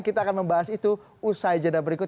kita akan membahas itu usai jeda berikut